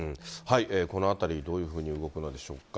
このあたり、どういうふうに動くのでしょうか。